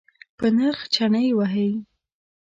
په نرخ چنی وهئ؟